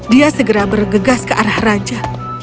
dia segera bergegas ke arah raja